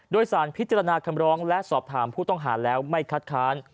โดยสารพิจารณาคำร้องและสอบถามผู้ต้องหาแล้วไม่คัดค้าน